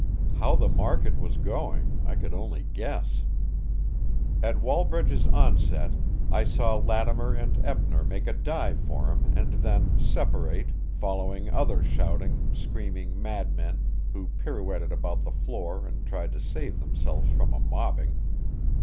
How the market was going, I could only guess. At Wallbridge's onset I saw Lattimer and Eppner make a dive for him and then separate, following other shouting, screaming madmen who pirouetted about the floor and tried to save themselves from a mobbing.